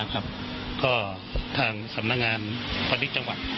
ก็ทางสำนักงานพาณิชย์จังหวัด